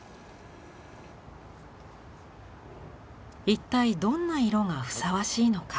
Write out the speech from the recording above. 一体どんな色がふさわしいのか。